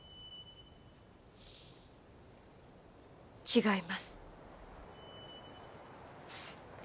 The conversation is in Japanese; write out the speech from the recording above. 違います。